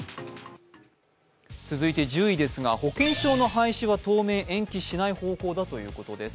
続いて１０ですが、保険証の廃止は当面延期しない方向だということです。